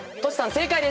正解です。